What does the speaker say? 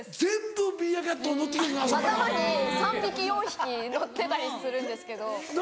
頭に３匹４匹乗ってたりするんですけど。